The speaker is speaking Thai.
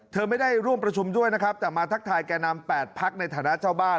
เธอไม่ได้ร่วมประชุมด้วยนะครับแต่มาทักทายแก่นำ๘พักในฐานะเจ้าบ้าน